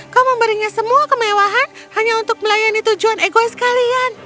kau memberinya semua kemewahan hanya untuk melayani tujuan egois kalian